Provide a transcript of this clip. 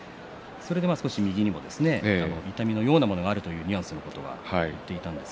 それで少し右にも痛みのようなものがあるというニュアンスで話していました。